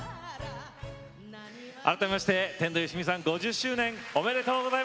改めまして天童よしみさん５０周年おめでとうございます。